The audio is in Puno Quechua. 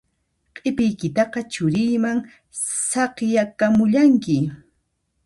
Q'ipiykitaqa churiyman saqiyakamullanki